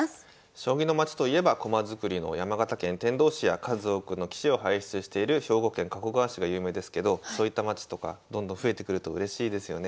将棋の町といえば駒作りの山形県天童市や数多くの棋士を輩出している兵庫県加古川市が有名ですけどそういった町とかどんどん増えてくるとうれしいですよね。